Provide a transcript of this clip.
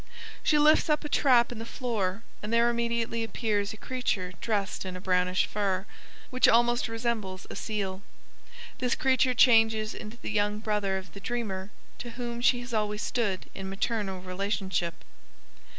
She lifts up a trap in the floor, and there immediately appears a creature dressed in a brownish fur, which almost resembles a seal. This creature changes into the younger brother of the dreamer, to whom she has always stood in maternal relationship.